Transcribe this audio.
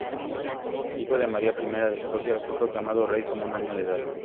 Hijo de María I de Escocia, fue proclamado rey con un año de edad.